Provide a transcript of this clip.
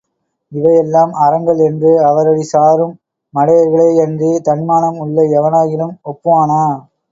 இவையெல்லாம் அறங்கள் என்று அவரடி சாரும் மடயர்களே யன்றி, தன்மானம் உள்ள எவனாகிலும் ஒப்புவானா?